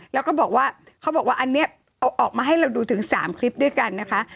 แล้วก็บอกว่าเขาบอกว่าอันนี้เอาออกมาให้เราดูถึง๓คลิปด้วยกันนะคะ